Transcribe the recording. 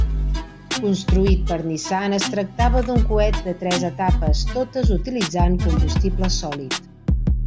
Construït per Nissan, es tractava d'un coet de tres etapes, totes utilitzant combustible sòlid.